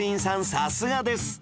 さすがです